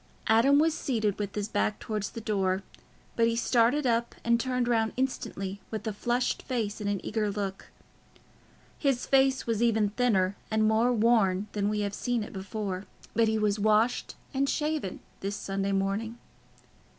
Adam was seated with his back towards the door, but he started up and turned round instantly, with a flushed face and an eager look. His face was even thinner and more worn than we have seen it before, but he was washed and shaven this Sunday morning.